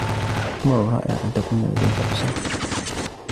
أمر رائع أن تكون لديك أسرة.